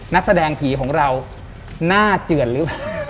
นักแสดงผีของเราน่าเจ๋วนรึ